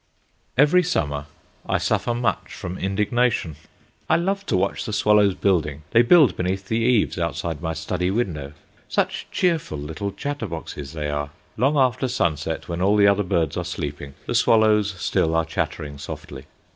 Every summer I suffer much from indignation. I love to watch the swallows building. They build beneath the eaves outside my study window. Such cheerful little chatter boxes they are. Long after sunset, when all the other birds are sleeping, the swallows still are chattering softly.